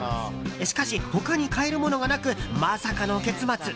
しかし、他に買えるものがなくまさかの結末。